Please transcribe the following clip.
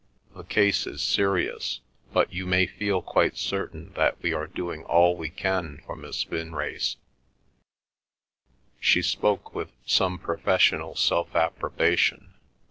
"The case is serious, but you may feel quite certain that we are doing all we can for Miss Vinrace." She spoke with some professional self approbation.